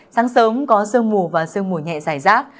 sáng sớm có sương mù và sương mù nhẹ dài rác